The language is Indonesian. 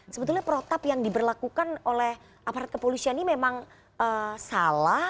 sebetulnya protap yang diberlakukan oleh aparat kepolisian ini memang salah